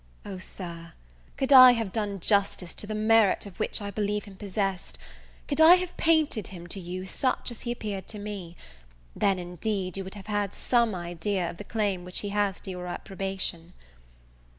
O, Sir, could I have done justice to the merit of which I believe him posessed; could I have painted him to you such as he appeared to me; then, indeed, you would have had some idea of the claim which he has to your approbation!